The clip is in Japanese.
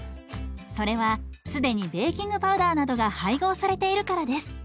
それは既にベーキングパウダーなどが配合されているからです。